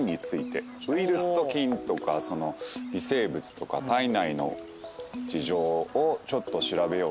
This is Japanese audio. ウイルスと菌とか微生物とか体内の事情をちょっと調べようと思って。